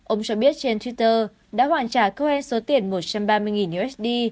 ông cho biết trên twitter đã hoàn trả koe số tiền một trăm ba mươi usd